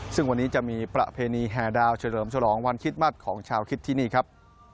ซึ่งวันนี้จะมีประเพณีแห่ดาวเฉลิมฉลองวันคิดมัติของชาวคิดที่นี่ครับ